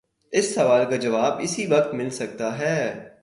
اس سوال کا جواب اسی وقت مل سکتا ہے۔